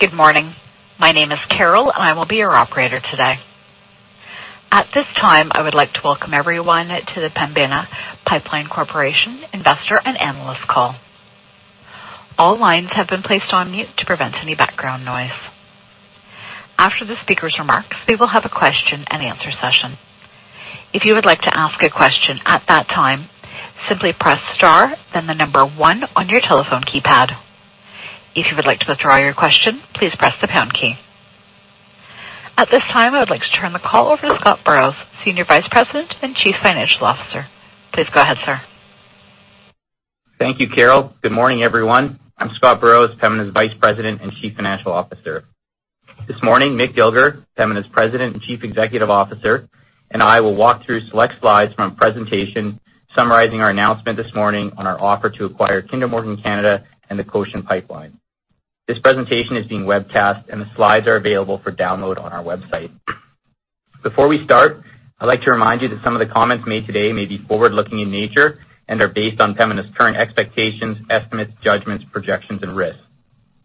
Good morning. My name is Carol, and I will be your operator today. At this time, I would like to welcome everyone to the Pembina Pipeline Corporation investor and analyst call. All lines have been placed on mute to prevent any background noise. After the speaker's remarks, we will have a question and answer session. If you would like to ask a question at that time, simply press star, then the number one on your telephone keypad. If you would like to withdraw your question, please press the pound key. At this time, I would like to turn the call over to Scott Burrows, Senior Vice President and Chief Financial Officer. Please go ahead, sir. Thank you, Carol. Good morning, everyone. I'm Scott Burrows, Pembina's Vice President and Chief Financial Officer. This morning, Mick Dilger, Pembina's President and Chief Executive Officer, and I will walk through select slides from a presentation summarizing our announcement this morning on our offer to acquire Kinder Morgan Canada and the Cochin Pipeline. This presentation is being webcast, and the slides are available for download on our website. Before we start, I'd like to remind you that some of the comments made today may be forward-looking in nature and are based on Pembina's current expectations, estimates, judgments, projections, and risks.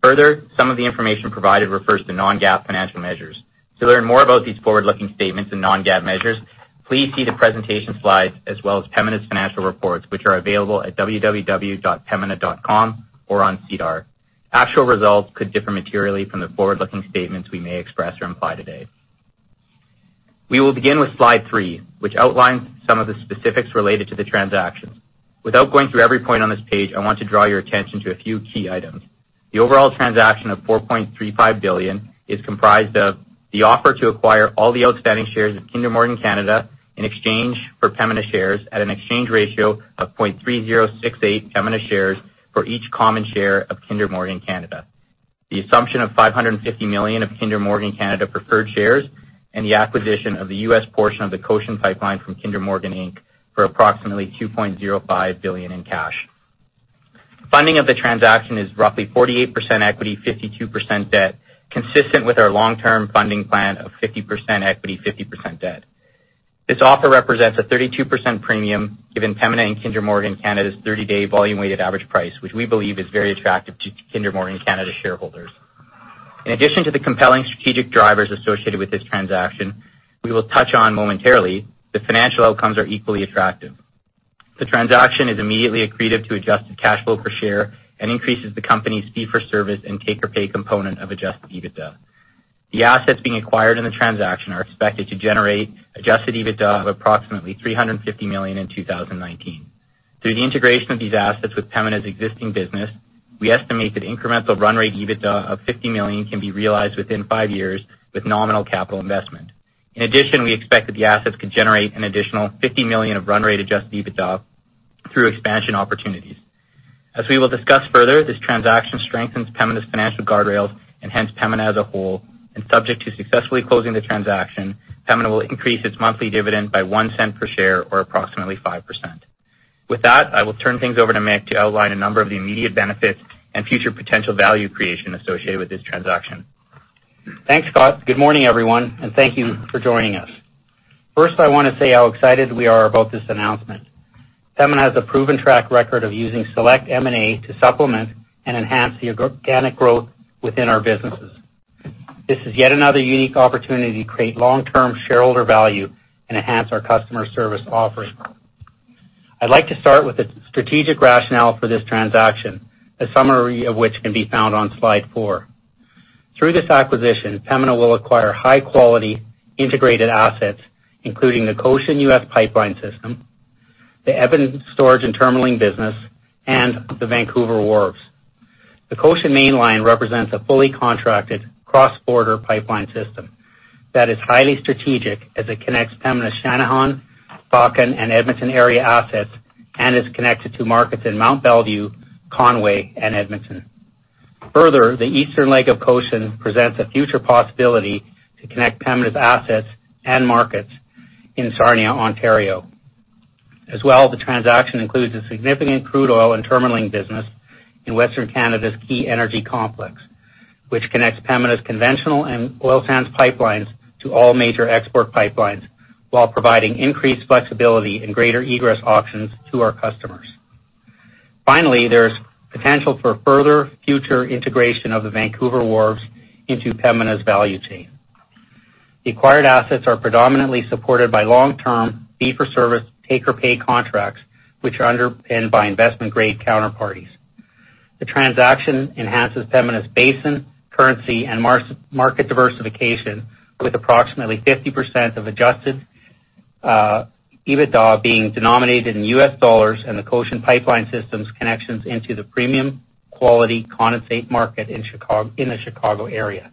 Further, some of the information provided refers to non-GAAP financial measures. To learn more about these forward-looking statements and non-GAAP measures, please see the presentation slides as well as Pembina's financial reports, which are available at www.pembina.com or on SEDAR. Actual results could differ materially from the forward-looking statements we may express or imply today. We will begin with slide 3, which outlines some of the specifics related to the transaction. Without going through every point on this page, I want to draw your attention to a few key items. The overall transaction of 4.35 billion is comprised of the offer to acquire all the outstanding shares of Kinder Morgan Canada in exchange for Pembina shares at an exchange ratio of 0.3068 Pembina shares for each common share of Kinder Morgan Canada. The assumption of 550 million of Kinder Morgan Canada preferred shares and the acquisition of the U.S. portion of the Cochin Pipeline from Kinder Morgan, Inc. for approximately 2.05 billion in cash. Funding of the transaction is roughly 48% equity, 52% debt, consistent with our long-term funding plan of 50% equity, 50% debt. This offer represents a 32% premium given Pembina and Kinder Morgan Canada's 30-day volume-weighted average price, which we believe is very attractive to Kinder Morgan Canada shareholders. In addition to the compelling strategic drivers associated with this transaction, we will touch on momentarily, the financial outcomes are equally attractive. The transaction is immediately accretive to adjusted cash flow per share and increases the company's fee for service and take-or-pay component of adjusted EBITDA. The assets being acquired in the transaction are expected to generate adjusted EBITDA of approximately 350 million in 2019. Through the integration of these assets with Pembina's existing business, we estimate that incremental run rate EBITDA of 50 million can be realized within five years with nominal capital investment. In addition, we expect that the assets could generate an additional 50 million of run rate adjusted EBITDA through expansion opportunities. As we will discuss further, this transaction strengthens Pembina's financial guardrails and hence Pembina as a whole, and subject to successfully closing the transaction, Pembina will increase its monthly dividend by 0.01 per share or approximately 5%. With that, I will turn things over to Mick to outline a number of the immediate benefits and future potential value creation associated with this transaction. Thanks, Scott. Good morning, everyone, and thank you for joining us. First, I want to say how excited we are about this announcement. Pembina has a proven track record of using select M&A to supplement and enhance the organic growth within our businesses. This is yet another unique opportunity to create long-term shareholder value and enhance our customer service offering. I'd like to start with the strategic rationale for this transaction, a summary of which can be found on slide four. Through this acquisition, Pembina will acquire high-quality integrated assets, including the Cochin U.S. Pipeline system, the Edmonton storage and terminaling business, and the Vancouver Wharves. The Cochin mainline represents a fully contracted cross-border pipeline system that is highly strategic as it connects Pembina's Channahon, Falcon, and Edmonton area assets and is connected to markets in Mont Belvieu, Conway, and Edmonton. The eastern leg of Cochin presents a future possibility to connect Pembina's assets and markets in Sarnia, Ontario. The transaction includes a significant crude oil and terminaling business in Western Canada's key energy complex, which connects Pembina's conventional and oil sands pipelines to all major export pipelines while providing increased flexibility and greater egress options to our customers. There's potential for further future integration of the Vancouver Wharves into Pembina's value chain. The acquired assets are predominantly supported by long-term fee-for-service, take-or-pay contracts, which are underpinned by investment-grade counterparties. The transaction enhances Pembina's basin, currency, and market diversification with approximately 50% of adjusted EBITDA being denominated in U.S. dollars and the Cochin Pipeline System's connections into the premium quality condensate market in the Chicago area.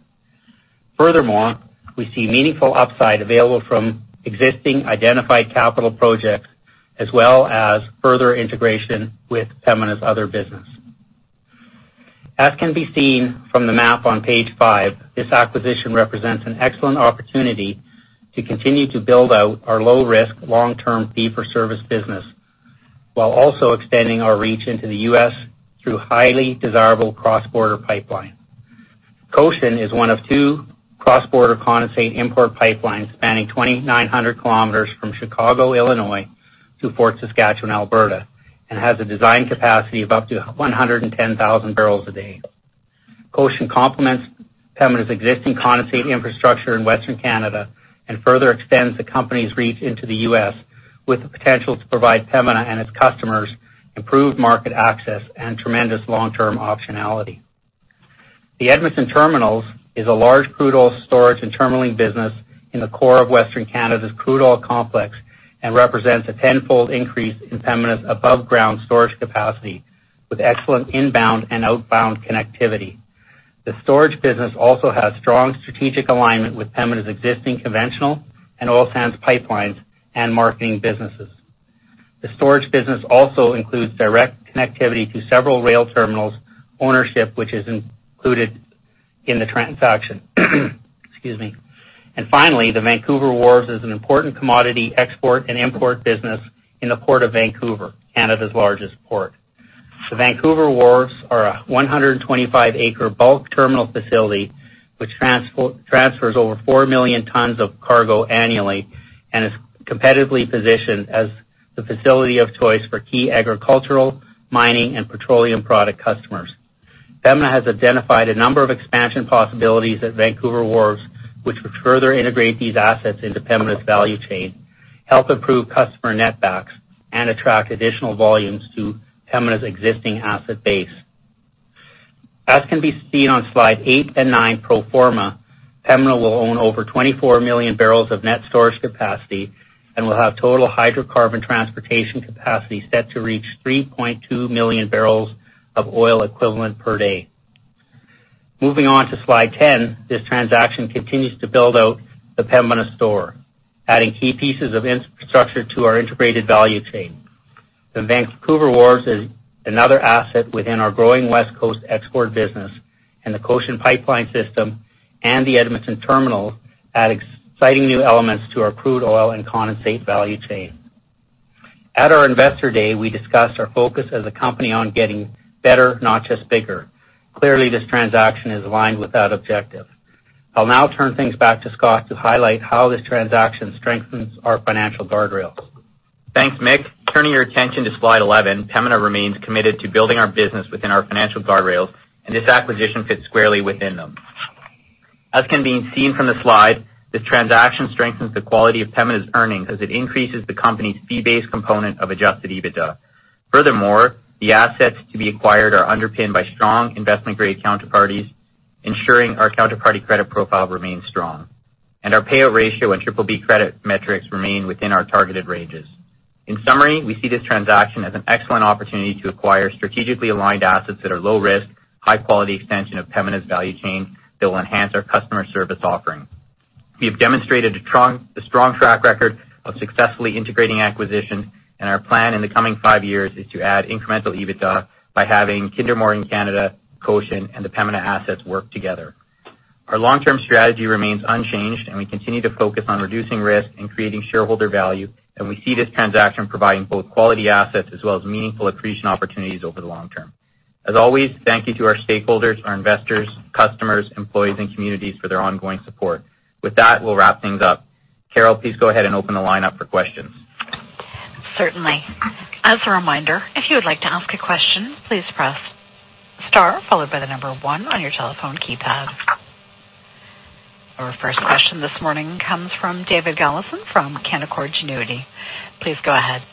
We see meaningful upside available from existing identified capital projects, as well as further integration with Pembina's other business. As can be seen from the map on page five, this acquisition represents an excellent opportunity to continue to build out our low-risk, long-term, fee-for-service business while also extending our reach into the U.S. through highly desirable cross-border pipeline. Cochin is one of two cross-border condensate import pipelines spanning 2,900 km from Chicago, Illinois to Fort Saskatchewan, Alberta, and has a design capacity of up to 110,000 bpd. Cochin complements Pembina's existing condensate infrastructure in Western Canada and further extends the company's reach into the U.S., with the potential to provide Pembina and its customers improved market access and tremendous long-term optionality. The Edmonton terminals is a large crude oil storage and terminaling business in the core of Western Canada's crude oil complex and represents a tenfold increase in Pembina's above-ground storage capacity with excellent inbound and outbound connectivity. The storage business also has strong strategic alignment with Pembina's existing conventional and oil sands pipelines and marketing businesses. The storage business also includes direct connectivity to several rail terminals, ownership, which is included in the transaction. Excuse me. Finally, the Vancouver Wharves is an important commodity export and import business in the Port of Vancouver, Canada's largest port. The Vancouver Wharves are a 125-acre bulk terminal facility which transfers over 4 million tons of cargo annually and is competitively positioned as the facility of choice for key agricultural, mining, and petroleum product customers. Pembina has identified a number of expansion possibilities at Vancouver Wharves, which would further integrate these assets into Pembina's value chain, help improve customer netbacks, and attract additional volumes to Pembina's existing asset base. As can be seen on slide eight and nine pro forma, Pembina will own over 24 million barrels of net storage capacity and will have total hydrocarbon transportation capacity set to reach 3.2 million barrels of oil equivalent per day. Moving on to slide 10, this transaction continues to build out the Pembina store, adding key pieces of infrastructure to our integrated value chain. The Vancouver Wharves is another asset within our growing West Coast export business, and the Cochin Pipeline system and the Edmonton terminals add exciting new elements to our crude oil and condensate value chain. At our Investor Day, we discussed our focus as a company on getting better, not just bigger. Clearly, this transaction is aligned with that objective. I'll now turn things back to Scott to highlight how this transaction strengthens our financial guardrails. Thanks, Mick. Turning your attention to slide 11, Pembina remains committed to building our business within our financial guardrails. This acquisition fits squarely within them. As can be seen from the slide, this transaction strengthens the quality of Pembina's earnings as it increases the company's fee-based component of adjusted EBITDA. Furthermore, the assets to be acquired are underpinned by strong investment-grade counterparties, ensuring our counterparty credit profile remains strong. Our payout ratio and BBB credit metrics remain within our targeted ranges. In summary, we see this transaction as an excellent opportunity to acquire strategically aligned assets that are low risk, high-quality extension of Pembina's value chain that will enhance our customer service offering. We have demonstrated a strong track record of successfully integrating acquisitions, and our plan in the coming five years is to add incremental EBITDA by having Kinder Morgan Canada, Cochin, and the Pembina assets work together. Our long-term strategy remains unchanged. We continue to focus on reducing risk and creating shareholder value. We see this transaction providing both quality assets as well as meaningful accretion opportunities over the long term. As always, thank you to our stakeholders, our investors, customers, employees, and communities for their ongoing support. With that, we'll wrap things up. Carol, please go ahead and open the line up for questions. Certainly. As a reminder, if you would like to ask a question, please press star followed by the number 1 on your telephone keypad. Our first question this morning comes from David Galison from Canaccord Genuity. Please go ahead.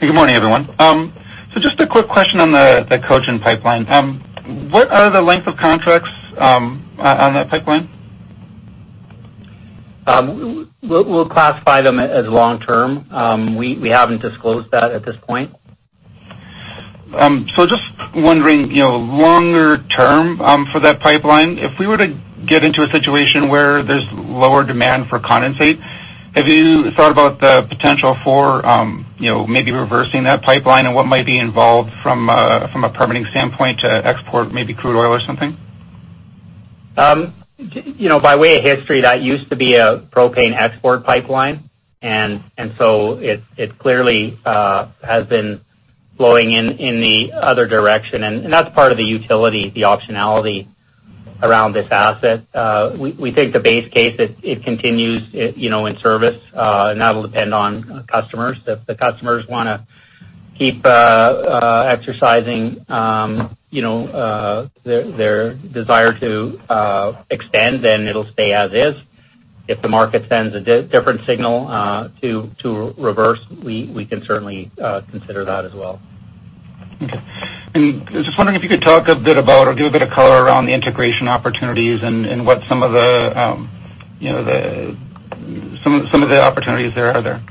Good morning, everyone. Just a quick question on the Cochin Pipeline. What are the length of contracts on that pipeline? We'll classify them as long-term. We haven't disclosed that at this point. Just wondering, longer-term for that pipeline, if we were to get into a situation where there's lower demand for condensate, have you thought about the potential for maybe reversing that pipeline and what might be involved from a permitting standpoint to export maybe crude oil or something? By way of history, that used to be a propane export pipeline, and so it clearly has been flowing in the other direction, and that's part of the utility, the optionality around this asset. We think the base case, it continues in service. That'll depend on customers. If the customers want to keep exercising their desire to expand, then it'll stay as is. If the market sends a different signal to reverse, we can certainly consider that as well. Okay. I was just wondering if you could talk a bit about or give a bit of color around the integration opportunities and what some of the opportunities there are there.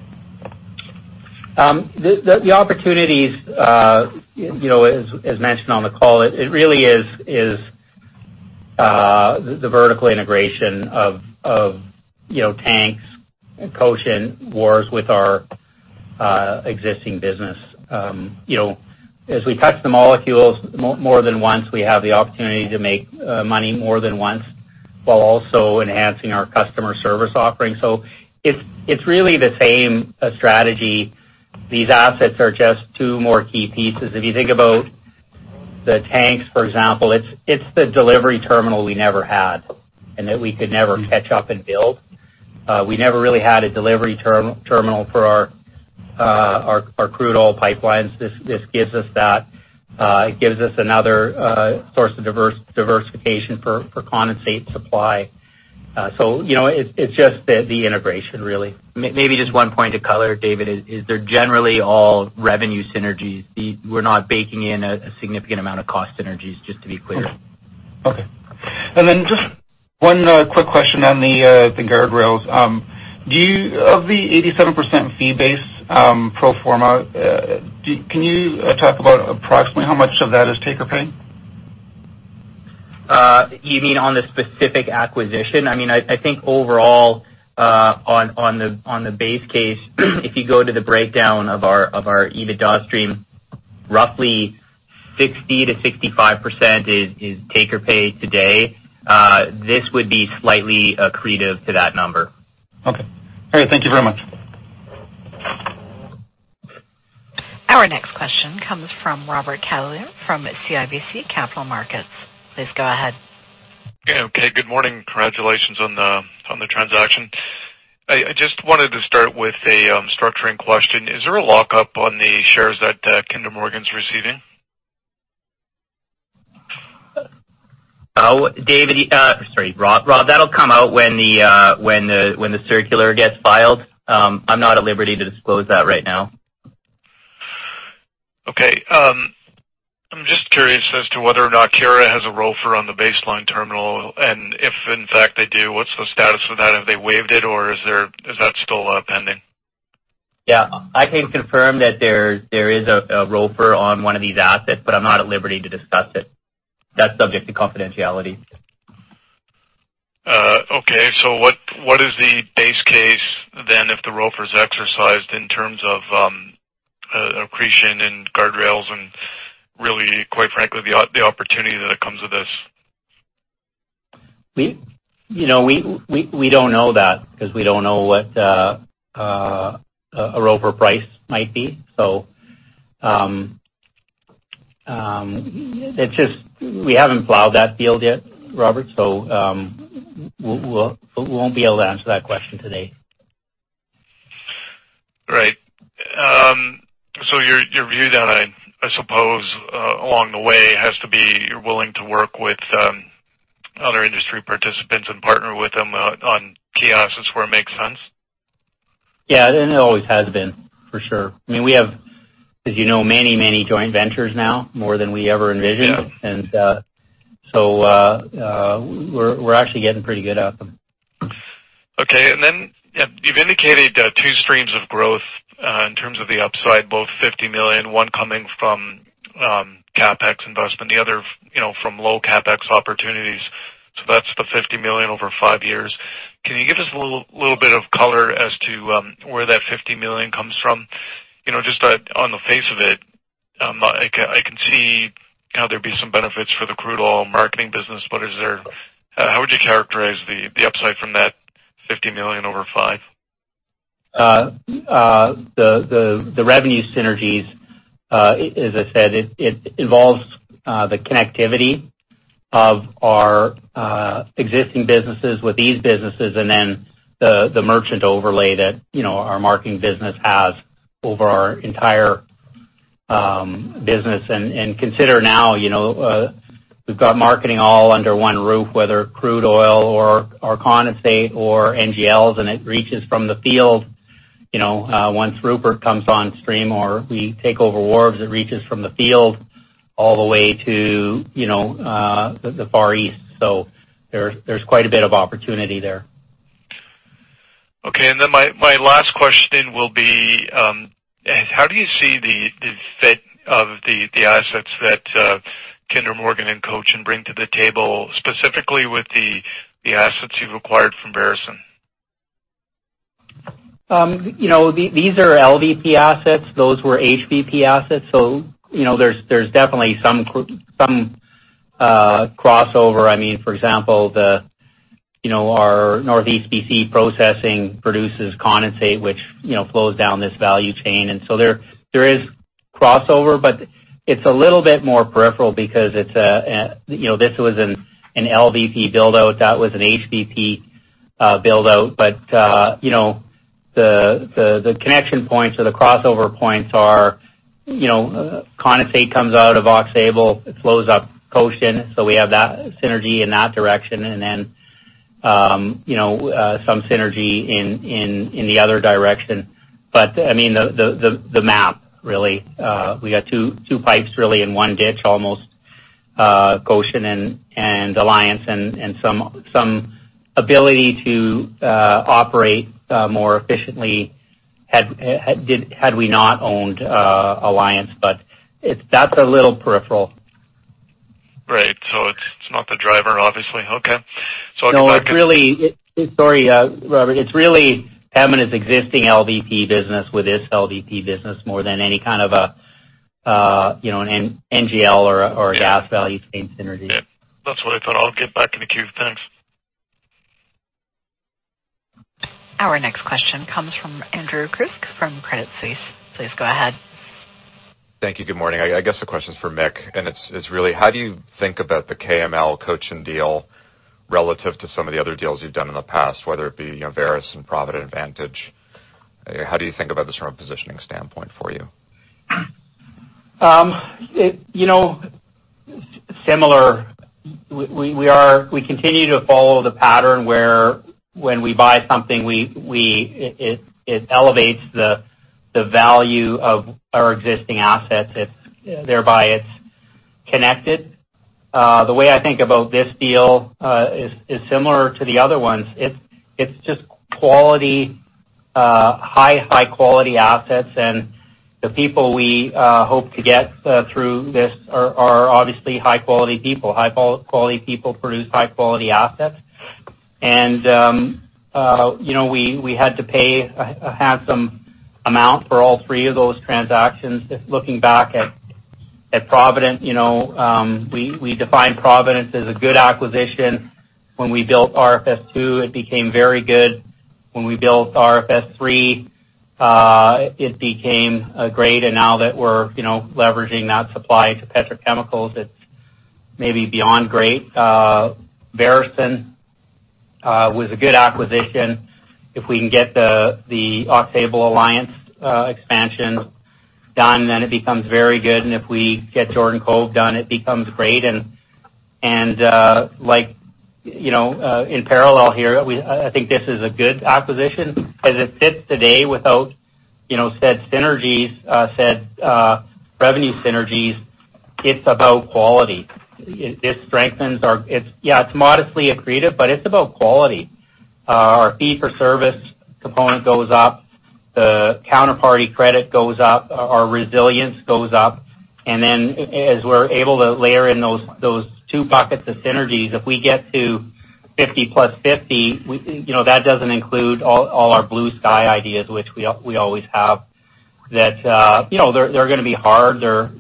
The opportunities, as mentioned on the call, it really is the vertical integration of tanks and Vancouver Wharves with our existing business. We touch the molecules more than once, we have the opportunity to make money more than once while also enhancing our customer service offering. It's really the same strategy. These assets are just two more key pieces. The tanks, for example, it's the delivery terminal we never had, and that we could never catch up and build. We never really had a delivery terminal for our crude oil pipelines. This gives us that. It gives us another source of diversification for condensate supply. It's just the integration, really. Maybe just one point of color, David, is they're generally all revenue synergies. We're not baking in a significant amount of cost synergies, just to be clear. Okay. Then just one quick question on the guardrails. Of the 87% fee base pro forma, can you talk about approximately how much of that is take or pay? You mean on the specific acquisition? I think overall, on the base case, if you go to the breakdown of our EBITDA stream, roughly 60% to 65% is take or pay today. This would be slightly accretive to that number. Okay. All right. Thank you very much. Our next question comes from Robert Catellier from CIBC Capital Markets. Please go ahead. Okay. Good morning. Congratulations on the transaction. I just wanted to start with a structuring question. Is there a lockup on the shares that Kinder Morgan's receiving? Rob, that'll come out when the circular gets filed. I'm not at liberty to disclose that right now. Okay. I'm just curious as to whether or not Keyera has a ROFR on the Base Line Terminal, and if in fact they do, what's the status of that? Have they waived it or is that still pending? Yeah. I can confirm that there is a ROFR on one of these assets, but I'm not at liberty to discuss it. That's subject to confidentiality. Okay, what is the base case, then, if the ROFR is exercised in terms of accretion and guardrails and really, quite frankly, the opportunity that comes with this? We don't know that because we don't know what a ROFR price might be. We haven't plowed that field yet, Robert, so we won't be able to answer that question today. Right. Your view, then, I suppose, along the way has to be you're willing to work with other industry participants and partner with them on co-ops where it makes sense? Yeah. It always has been, for sure. We have, as you know, many joint ventures now, more than we ever envisioned. Yeah. We're actually getting pretty good at them. Okay. You've indicated two streams of growth in terms of the upside, both 50 million, one coming from CapEx investment, the other from low CapEx opportunities. That's the 50 million over five years. Can you give us a little bit of color as to where that 50 million comes from? Just on the face of it, I can see how there'd be some benefits for the crude oil marketing business, how would you characterize the upside from that 50 million over five? The revenue synergies, as I said, it involves the connectivity of our existing businesses with these businesses and then the merchant overlay that our marketing business has over our entire business. Consider now, we've got marketing all under one roof, whether crude oil or condensate or NGLs, and it reaches from the field. Once Rupert comes on stream or we take over Vancouver Wharves, it reaches from the field all the way to the Far East. There's quite a bit of opportunity there. My last question will be, how do you see the fit of the assets that Kinder Morgan and Cochin can bring to the table, specifically with the assets you've acquired from Veresen? These are LVP assets. Those were HVP assets. There's definitely some crossover. For example, our Northeast BC processing produces condensate, which flows down this value chain. There is crossover, but it's a little bit more peripheral because this was an LVP build-out, that was an HVP build-out. The connection points or the crossover points are, condensate comes out of Aux Sable, it flows up Cochin, so we have that synergy in that direction. Then some synergy in the other direction. The map, really. We got two pipes really in one ditch almost, Cochin and Alliance, and some ability to operate more efficiently had we not owned Alliance, but that's a little peripheral. Right. It's not the driver, obviously. Okay. Sorry, Robert. It's really having this existing LVP business with this LVP business more than any kind of an NGL or a gas value chain synergy. Yeah. That's what I thought. I'll get back in the queue. Thanks. Our next question comes from Andrew Kuske from Credit Suisse. Please go ahead. Thank you. Good morning. I guess the question is for Mick. It's really how do you think about the KML Cochin deal relative to some of the other deals you've done in the past, whether it be Veresen, Provident, Advantage? How do you think about this from a positioning standpoint for you? Similar. We continue to follow the pattern where when we buy something, it elevates the value of our existing assets. Thereby, it's connected. The way I think about this deal is similar to the other ones. It's just high-quality assets, and the people we hope to get through this are obviously high-quality people. High-quality people produce high-quality assets. We had to pay a handsome amount for all three of those transactions. Just looking back at Provident, we define Provident as a good acquisition. When we built RFS II, it became very good. When we built RFS III, it became great. Now that we're leveraging that supply to petrochemicals, it's maybe beyond great. Veresen was a good acquisition. If we can get the Aux Sable Alliance expansion done, then it becomes very good. If we get Jordan Cove done, it becomes great. In parallel here, I think this is a good acquisition because it fits today without said synergies, said revenue synergies. It's about quality. It strengthens. It's modestly accretive, but it's about quality. Our fee-for-service component goes up, the counterparty credit goes up, our resilience goes up, and then as we're able to layer in those two buckets of synergies, if we get to 50 plus 50, that doesn't include all our blue sky ideas, which we always have. They're going to be hard. They're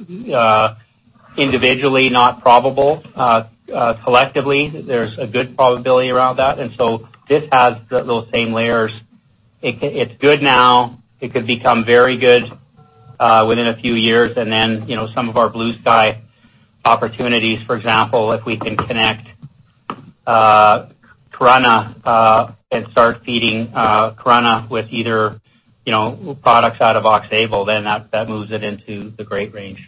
individually not probable. Collectively, there's a good probability around that. This has those same layers. It's good now. It could become very good within a few years. Some of our blue sky opportunities, for example, if we can connect Corunna and start feeding Corunna with either products out of Aux Sable, then that moves it into the great range.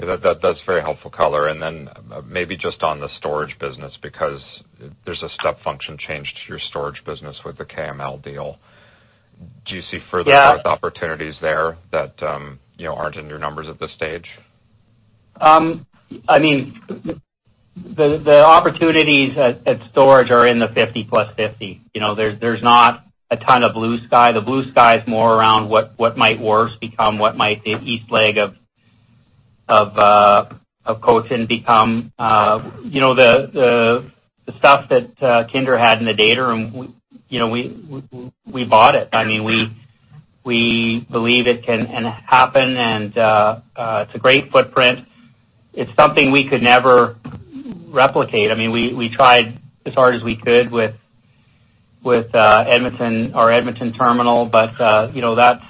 That's very helpful color. Then maybe just on the storage business, because there's a step function change to your storage business with the KML deal. Do you see further growth opportunities there that aren't in your numbers at this stage? The opportunities at storage are in the 50 plus 50. There's not a ton of blue sky. The blue sky is more around what might Worse become, what might the east leg of Cochin become. The stuff that Kinder had in the data room, we bought it. We believe it can happen, and it's a great footprint. It's something we could never replicate. We tried as hard as we could with our Edmonton terminal, but that's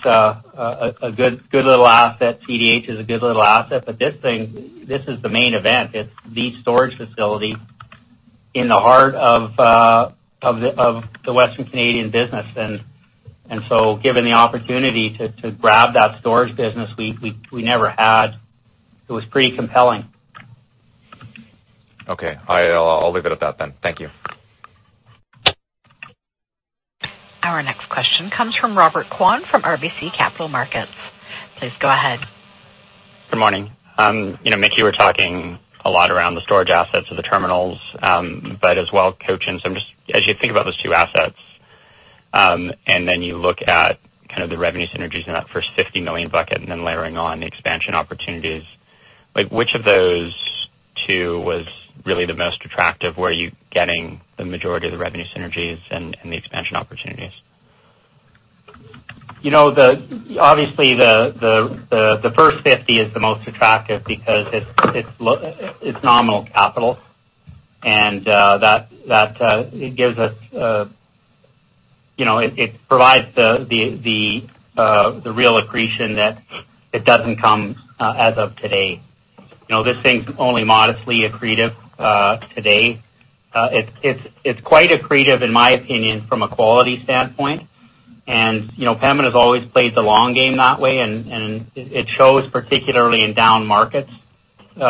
a good little asset. CDH is a good little asset. This is the main event. It's the storage facility in the heart of the Western Canadian business. Given the opportunity to grab that storage business we never had, it was pretty compelling. Okay. I'll leave it at that then. Thank you. Our next question comes from Robert Kwan from RBC Capital Markets. Please go ahead. Good morning. Mick, you were talking a lot around the storage assets of the terminals. As well, Cochin, as you think about those two assets, and then you look at the revenue synergies in that first 50 million bucket and then layering on the expansion opportunities, which of those two was really the most attractive? Where are you getting the majority of the revenue synergies and the expansion opportunities? Obviously, the first 50 is the most attractive because it's nominal capital, and it provides the real accretion that it doesn't come as of today. This thing's only modestly accretive today. It's quite accretive, in my opinion, from a quality standpoint. Pembina has always played the long game that way, and it shows, particularly in down markets,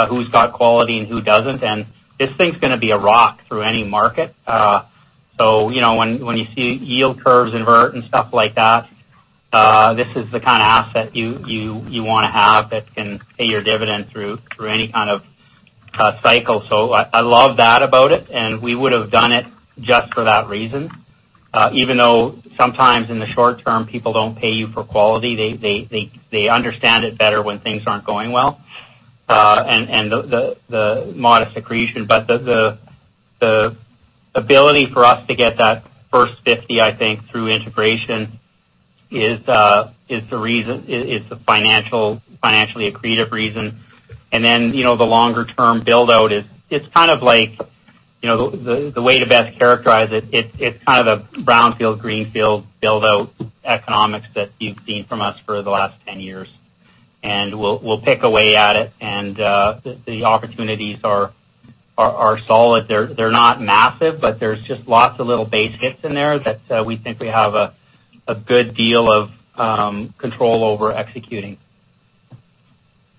who's got quality and who doesn't. This thing's going to be a rock through any market. When you see yield curves invert and stuff like that, this is the kind of asset you want to have that can pay your dividend through any kind of cycle. I love that about it, and we would've done it just for that reason. Even though sometimes in the short term, people don't pay you for quality, they understand it better when things aren't going well and the modest accretion. The ability for us to get that first 50, I think, through integration is the financially accretive reason. Then, the longer-term build-out is kind of like, the way to best characterize it's kind of a brownfield, greenfield build-out economics that you've seen from us for the last 10 years. We'll pick away at it, and the opportunities are solid. They're not massive, but there's just lots of little base hits in there that we think we have a good deal of control over executing.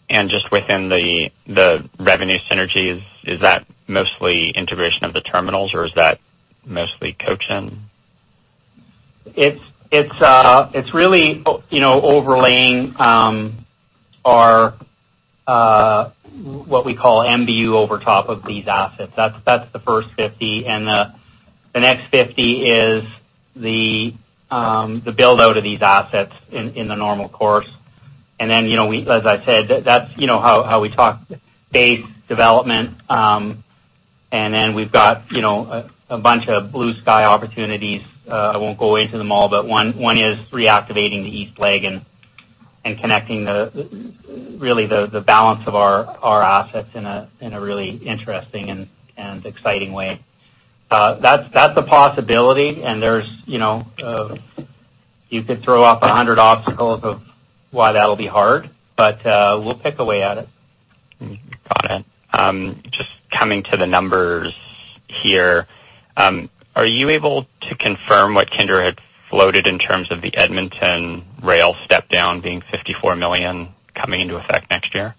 Just within the revenue synergies, is that mostly integration of the terminals or is that mostly Cochin? It's really overlaying our, what we call MBU over top of these assets. That's the first 50 and the next 50 is the build-out of these assets in the normal course. Then, as I said, that's how we talk base development. Then we've got a bunch of blue sky opportunities. I won't go into them all, but one is reactivating the east leg and connecting really the balance of our assets in a really interesting and exciting way. That's a possibility and you could throw up 100 obstacles of why that'll be hard, but, we'll pick away at it. Got it. Just coming to the numbers here. Are you able to confirm what Kinder had floated in terms of the Edmonton rail step down being 54 million coming into effect next year?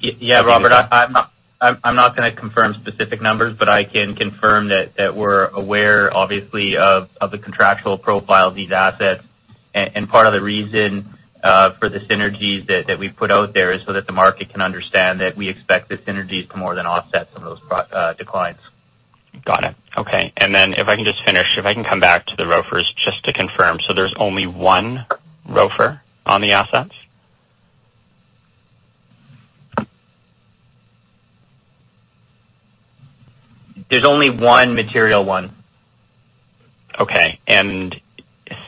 Yeah. Robert, I'm not going to confirm specific numbers, but I can confirm that we're aware obviously of the contractual profile of these assets. Part of the reason for the synergies that we've put out there is so that the market can understand that we expect the synergies to more than offset some of those declines. Got it. Okay. If I can just finish, if I can come back to the ROFRs just to confirm. There's only one ROFR on the assets? There's only one material one. Okay.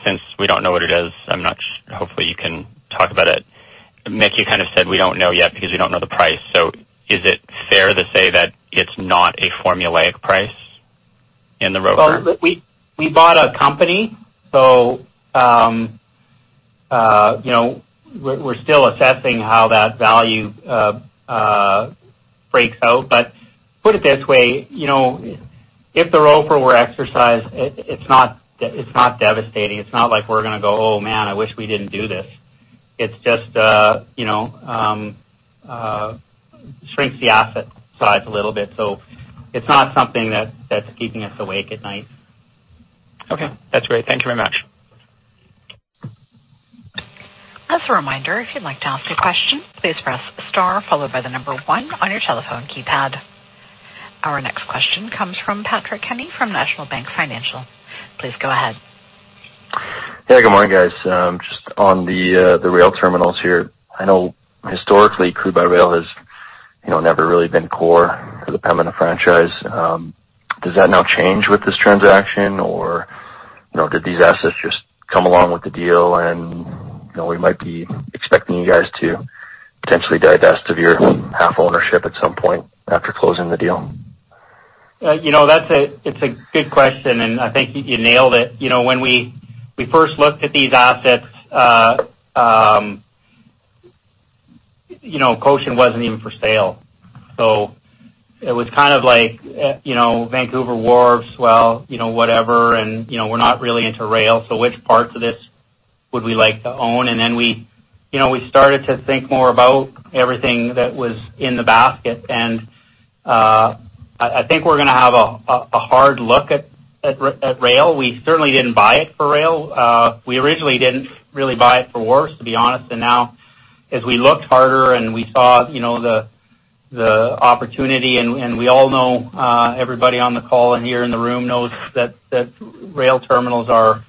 Since we don't know what it is, hopefully you can talk about it. Mick, you kind of said we don't know yet because we don't know the price. Is it fair to say that it's not a formulaic price in the ROFR? We bought a company. We're still assessing how that value breaks out. Put it this way, if the ROFR were exercised, it's not devastating. It's not like we're going to go, "Oh man, I wish we didn't do this." It just shrinks the asset size a little bit. It's not something that's keeping us awake at night. Okay. That's great. Thank you very much. As a reminder, if you'd like to ask a question, please press star followed by the number one on your telephone keypad. Our next question comes from Patrick Kenny from National Bank Financial. Please go ahead. Yeah. Good morning, guys. Just on the rail terminals here. I know historically, crude by rail has never really been core to the Pembina franchise. Does that now change with this transaction or did these assets just come along with the deal and we might be expecting you guys to potentially divest of your half ownership at some point after closing the deal? It's a good question, and I think you nailed it. When we first looked at these assets, Cochin wasn't even for sale. It was kind of like, Vancouver Wharves, well, whatever, and we're not really into rail, so which parts of this would we like to own? Then we started to think more about everything that was in the basket. I think we're going to have a hard look at rail. We certainly didn't buy it for rail. We originally didn't really buy it for Wharves, to be honest. Now as we looked harder and we saw the opportunity and we all know, everybody on the call and here in the room knows that rail terminals or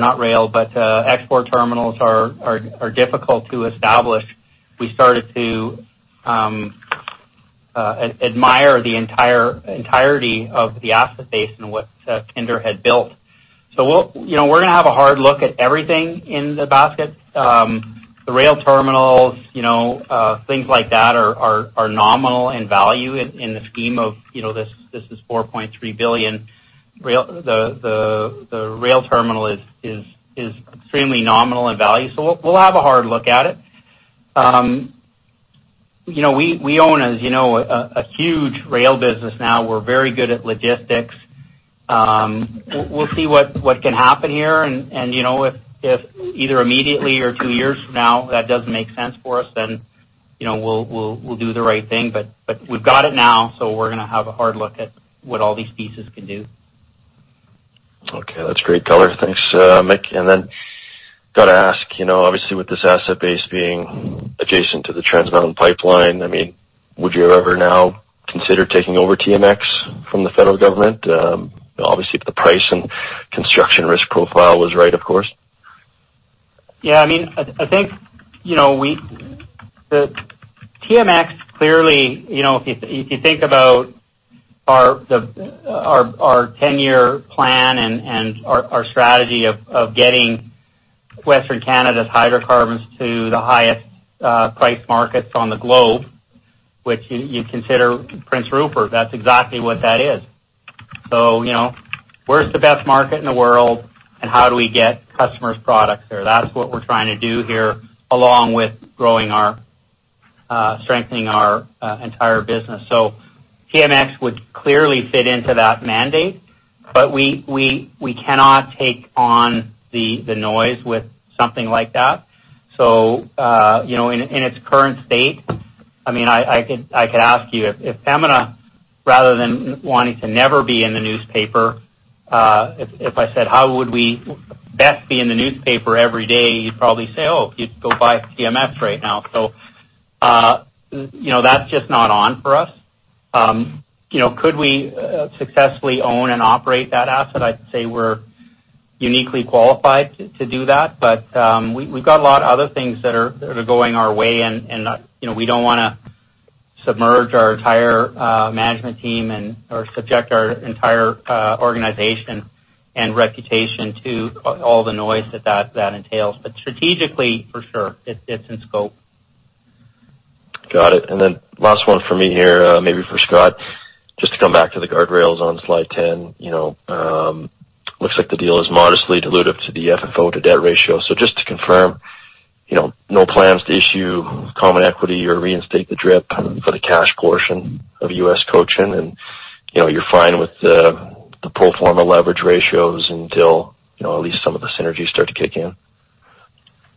not rail, but export terminals are difficult to establish. We started to admire the entirety of the asset base and what Kinder had built. We're going to have a hard look at everything in the basket. The rail terminals, things like that are nominal in value in the scheme of this 4.3 billion. The rail terminal is extremely nominal in value. We'll have a hard look at it. We own a huge rail business now. We're very good at logistics. We'll see what can happen here and if either immediately or two years from now, that doesn't make sense for us, then we'll do the right thing, but we've got it now, so we're going to have a hard look at what all these pieces can do. Okay. That's great color. Thanks, Mick. Got to ask, obviously with this asset base being adjacent to the Trans Mountain pipeline, would you ever now consider taking over TMX from the federal government? Obviously, if the price and construction risk profile was right, of course. Yeah. TMX clearly, if you think about our 10-year plan and our strategy of getting Western Canada's hydrocarbons to the highest price markets on the globe, which you consider Prince Rupert, that's exactly what that is. Where's the best market in the world, and how do we get customers' products there? That's what we're trying to do here, along with strengthening our entire business. TMX would clearly fit into that mandate, we cannot take on the noise with something like that. In its current state, I could ask you if Pembina, rather than wanting to never be in the newspaper, if I said, "How would we best be in the newspaper every day?" You'd probably say, "Oh, if you'd go buy TMX right now." That's just not on for us. Could we successfully own and operate that asset? I'd say we're uniquely qualified to do that. We've got a lot of other things that are going our way, and we don't want to submerge our entire management team or subject our entire organization and reputation to all the noise that entails. Strategically, for sure, it's in scope. Got it. Last one from me here, maybe for Scott, just to come back to the guardrails on slide 10. Looks like the deal is modestly dilutive to the FFO to debt ratio. Just to confirm, no plans to issue common equity or reinstate the drip for the cash portion of U.S. Cochin and you're fine with the pro forma leverage ratios until, at least some of the synergies start to kick in?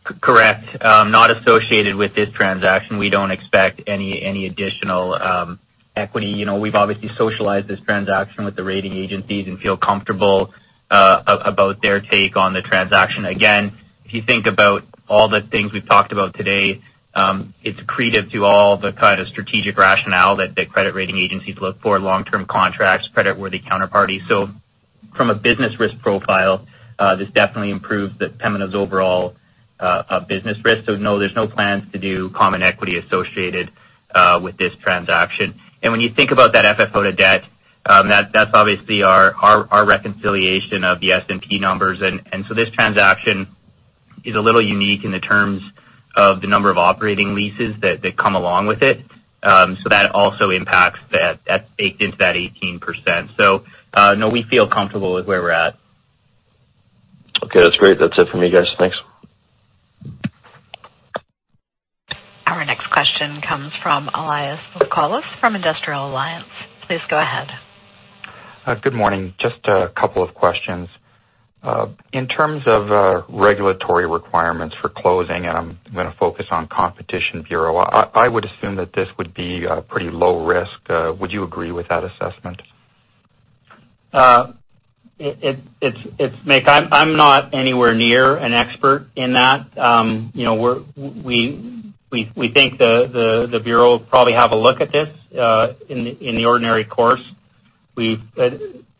Correct. Not associated with this transaction. We don't expect any additional equity. We've obviously socialized this transaction with the rating agencies and feel comfortable about their take on the transaction. If you think about all the things we've talked about today, it's accretive to all the kind of strategic rationale that the credit rating agencies look for long-term contracts, credit-worthy counterparties. From a business risk profile, this definitely improves Pembina's overall business risk. No, there's no plans to do common equity associated with this transaction. When you think about that FFO to debt, that's obviously our reconciliation of the S&P numbers. This transaction is a little unique in the terms of the number of operating leases that come along with it. That also impacts that, baked into that 18%. No, we feel comfortable with where we're at. Okay. That's great. That's it for me, guys. Thanks. Our next question comes from Elias Foscolos from Industrial Alliance. Please go ahead. Good morning. Just a couple of questions. In terms of regulatory requirements for closing, and I'm going to focus on Competition Bureau, I would assume that this would be a pretty low risk. Would you agree with that assessment? It's, Mick, I'm not anywhere near an expert in that. We think the Competition Bureau will probably have a look at this, in the ordinary course. We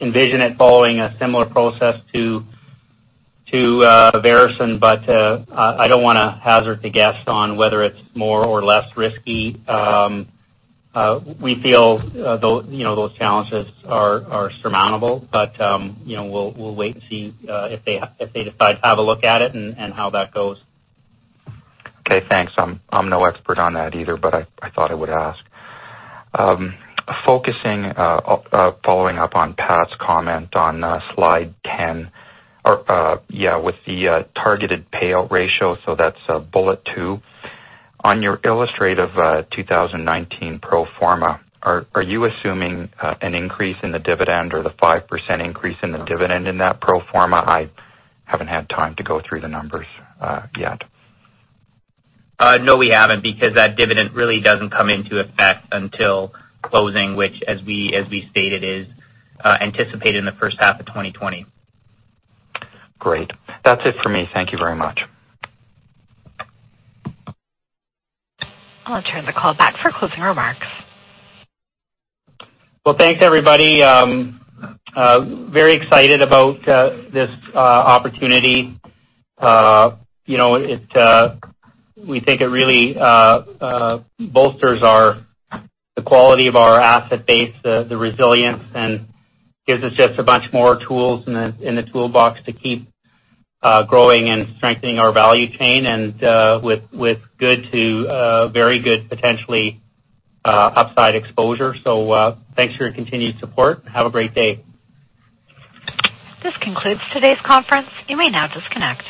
envision it following a similar process to Veresen. I don't want to hazard to guess on whether it's more or less risky. We feel those challenges are surmountable. We'll wait and see if they decide to have a look at it and how that goes. Okay, thanks. I'm no expert on that either, but I thought I would ask. Following up on Pat's comment on slide 10, with the targeted payout ratio, so that's bullet two. On your illustrative 2019 pro forma, are you assuming an increase in the dividend or the 5% increase in the dividend in that pro forma? I haven't had time to go through the numbers yet. No, we haven't, because that dividend really doesn't come into effect until closing, which as we stated is anticipated in the first half of 2020. Great. That's it for me. Thank you very much. I'll turn the call back for closing remarks. Well, thanks everybody. Very excited about this opportunity. We think it really bolsters the quality of our asset base, the resilience, and gives us just a bunch more tools in the toolbox to keep growing and strengthening our value chain and, with good to very good, potentially upside exposure. Thanks for your continued support. Have a great day. This concludes today's conference. You may now disconnect.